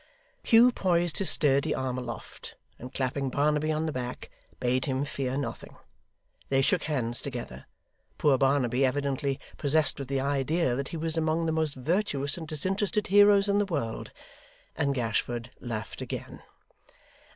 Hugh poised his sturdy arm aloft, and clapping Barnaby on the back, bade him fear nothing. They shook hands together poor Barnaby evidently possessed with the idea that he was among the most virtuous and disinterested heroes in the world and Gashford laughed again.